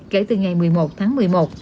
kể từ ngày một mươi một tháng một mươi một